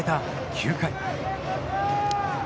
９回。